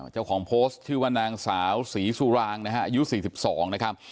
เจ้าของโพสต์ชื่อว่านางสาวศรีสุรางนะฮะอายุ๔๒นะครับ